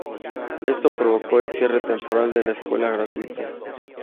Esto provocó el cierre temporal de la Escuela Gratuita.